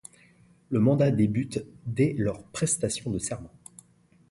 Le mandat débute dès leur prestation de serment.